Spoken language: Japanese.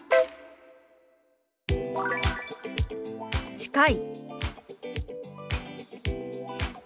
「近い」。